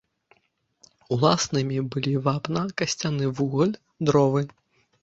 Уласнымі былі вапна, касцяны вугаль, дровы.